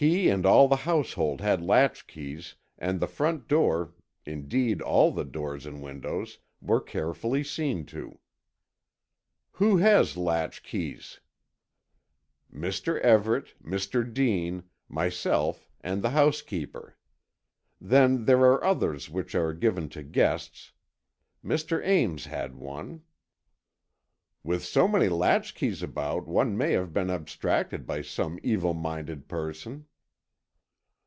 He and all the household had latchkeys, and the front door—indeed, all the doors and windows were carefully seen to." "Who has latchkeys?" "Mr. Everett, Mr. Dean, myself and the housekeeper. Then there are others which are given to guests. Mr. Ames had one——" "With so many latchkeys about, one may have been abstracted by some evil minded person."